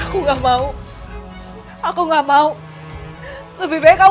kinda kayak ikut birodenya k reply penang ke